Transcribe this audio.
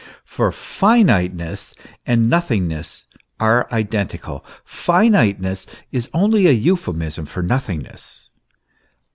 For finiteness and nothingness are identical; finiteness is only a euphemism for nothingness.